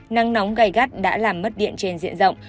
nắng nóng gai gắt đã làm mất điện trên diện rộng